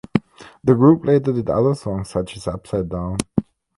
The group later did other songs, such as "Upside Down".